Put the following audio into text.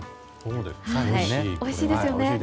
おいしいですよね。